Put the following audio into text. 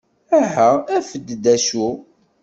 Aha afet-d d acu!